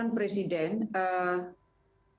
yang terkait dengan pandemi yang masih melanda dunia saat ini